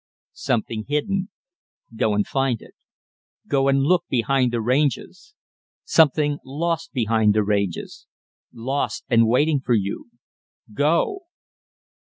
"Something hidden. Go and find it. Go and look behind the Ranges Something lost behind the Ranges. Lost and waiting for you. Go!"